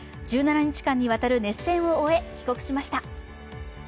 １７日間にわたる熱戦を終え、帰国しました。